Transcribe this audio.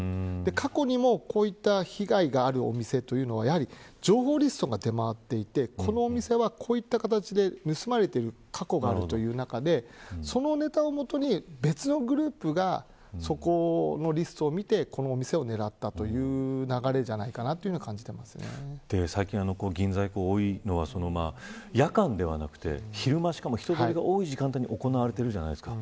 過去にもこういった被害があるお店というのは情報リストが出回っていてこのお店はこういった形で盗まれている過去があるという中でそのネタをもとに別のグループがリストを見て、このお店を狙ったという流れじゃないかなと最近銀座などで多いのは夜間ではなく昼間の人通りの多い時間帯に行われているじゃないですか。